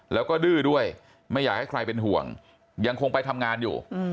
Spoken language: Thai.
แล้วก็ดื้อด้วยไม่อยากให้ใครเป็นห่วงยังคงไปทำงานอยู่